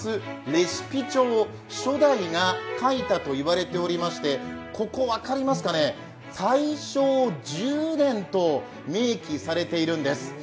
レシピ帳、初代が書いたと言われておりましてここ分かりますかね、大正十年と明記されているんです。